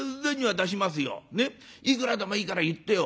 ねっいくらでもいいから言ってよ」。